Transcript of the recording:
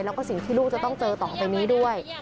แล้วก็สิ่งที่ลูกจะต้องเจอต่อไปนี้ด้วย